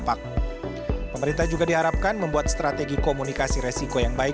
pemerintah juga diharapkan membuat strategi komunikasi resiko yang baik